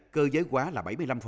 cơ giới hóa là bảy mươi năm